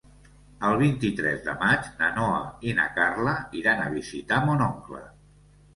El vint-i-tres de maig na Noa i na Carla iran a visitar mon oncle.